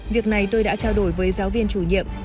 việc này tôi đã trao đổi với giáo viên chủ nhiệm